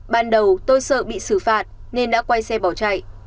ban đầu tôi sợ bị xử phạt nên đã quay xe bỏ chạy